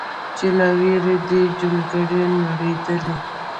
چې له ویرې دې جونګړې نړېدلې